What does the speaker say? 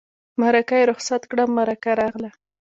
مرکه یې رخصت کړه مرکه راغله.